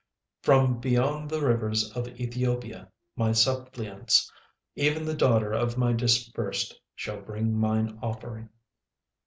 36:003:010 From beyond the rivers of Ethiopia my suppliants, even the daughter of my dispersed, shall bring mine offering.